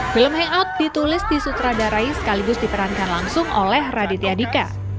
film hangout ditulis disutradarai sekaligus diperankan langsung oleh raditya dika